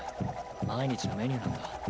毎日のメニューなんだ。